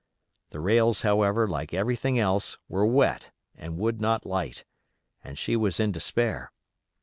The rails, however, like everything else, were wet and would not light, and she was in despair.